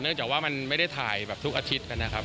จากว่ามันไม่ได้ถ่ายแบบทุกอาทิตย์นะครับ